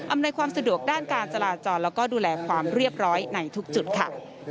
ความสะดวกด้านการจราจรแล้วก็ดูแลความเรียบร้อยในทุกจุดค่ะ